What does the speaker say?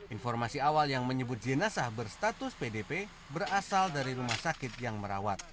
informasi awal yang menyebut jenazah berstatus pdp berasal dari rumah sakit yang merawat